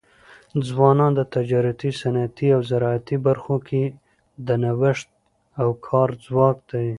ځوانان د تجارتي، صنعتي او زراعتي برخو کي د نوښت او کار ځواک دی.